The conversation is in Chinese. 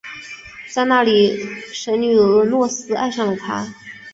在那里神女俄诺斯爱上了他。